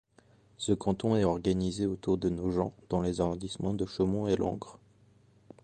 Ce canton est organisé autour de Nogent dans les arrondissements de Chaumont et Langres.